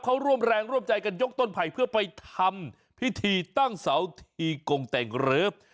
เขาร่วมแรงร่วมใจกันยกต้นไผ่เพื่อไปทำพิธีตั้งเสาทีกงแต่งเริฟ